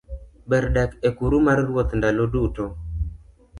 Ber dak e kiru mar Ruoth ndalo duto